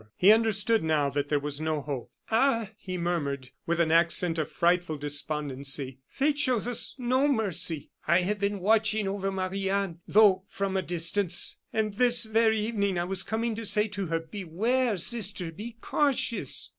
He understood now that there was no hope. "Ah!" he murmured, with an accent of frightful despondency, "fate shows us no mercy. I have been watching over Marie Anne, though from a distance; and this very evening I was coming to say to her: 'Beware, sister be cautious!